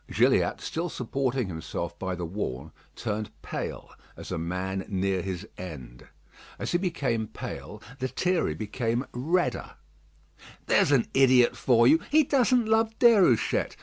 Gilliatt, still supporting himself by the wall, turned pale, as a man near his end. As he became pale, Lethierry became redder. "There's an idiot for you! He doesn't love Déruchette.